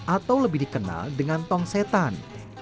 atau lebih dikenal dengan tong setan